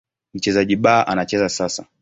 Mchezaji B anacheza sasa.